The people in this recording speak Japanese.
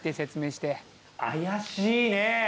怪しいね。